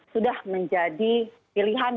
sudah menjadi pilihan